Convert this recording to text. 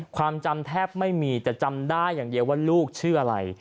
ความจำแทบไม่มีแต่จำได้อย่างเดียวว่าลูกชื่ออะไร